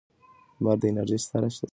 لمر د انرژۍ ستره سرچینه ده.